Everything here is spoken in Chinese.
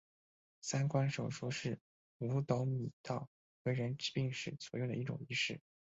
三官手书是五斗米道为人治病时所用的一种仪式。